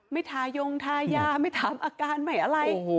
ทายงทายาไม่ถามอาการใหม่อะไร